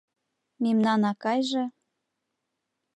Мемнан акайже